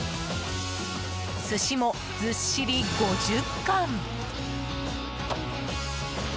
寿司もずっしり５０貫。